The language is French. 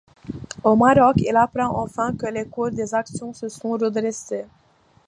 Au Maroc, il apprend enfin que les cours des actions se sont redressés.